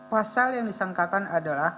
pasal yang disangkakan adalah